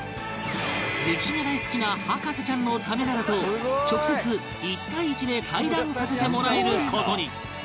歴史が大好きな博士ちゃんのためならと直接１対１で対談させてもらえる事に